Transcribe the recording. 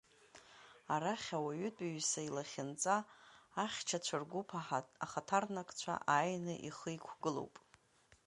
Арахь, ауаҩытәыҩса илахьынҵа ахьчацәа Ргәыԥ ахаҭарнакцәа ааины ихы иқәгылоуп…